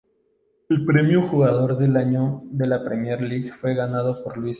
El premio Jugador del Año de la Premier League fue ganado por Luis Suárez.